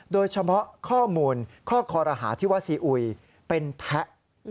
โดยเฉพาะข้อมูลข้อคอรหาที่ว่าซีอุยเป็นแพะ